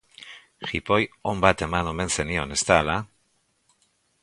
Jipoi on bat eman omen zenion, ez da hala?